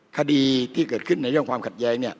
คดีที่เกิดขึ้นในเรื่องความขัดแย้งเนี่ย